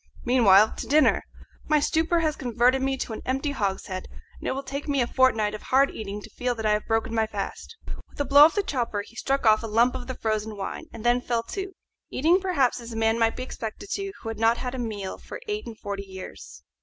Meanwhile, to dinner! My stupor has converted me into an empty hogshead, and it will take me a fortnight of hard eating to feel that I have broken my fast." With a blow of the chopper he struck off a lump of the frozen wine, and then fell to, eating perhaps as a man might be expected to eat who had not had a meal for eight and forty years.